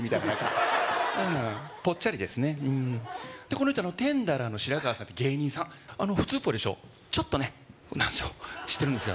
この人テンダラーの白川さんって芸人さん普通っぽいでしょちょっとね知ってるんですよ